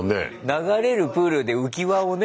流れるプールで浮き輪をね